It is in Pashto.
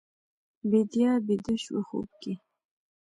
بیدیا بیده شوه خوب کې